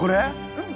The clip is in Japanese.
うん。